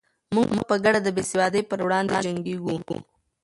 موږ به په ګډه د بې سوادۍ پر وړاندې جنګېږو.